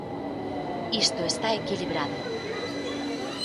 Isto está equilibrado.